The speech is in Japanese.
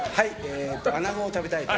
アナゴを食べたいと。